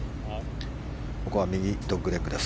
ここは右ドッグレッグです。